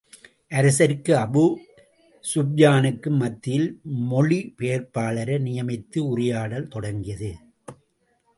அரசருக்கும் Abu ஸூப்யானுக்கும் மத்தியில் மொழிபெயர்ப்பாளரை நியமித்து, உரையாடல் தொடங்கியது.